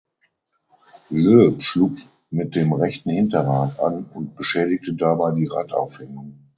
Loeb schlug mit dem rechten Hinterrad an und beschädigte dabei die Radaufhängung.